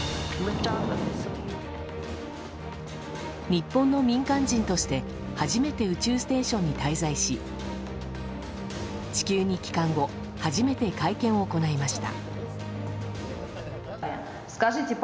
日本の民間人として初めて宇宙ステーションに滞在し地球に帰還後、初めて会見を行いました。